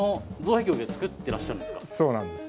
そうなんです。